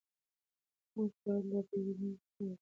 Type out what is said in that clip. موږ باید له بیړنیو قضاوتونو ډډه وکړو.